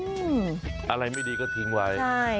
อะไรไม่ดีก็ทิ้งไว้